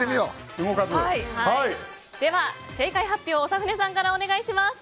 では正解発表を長船さんからお願いします。